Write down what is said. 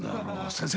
先生